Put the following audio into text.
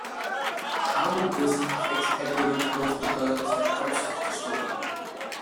How this affects everyone close to her is the crux of the story.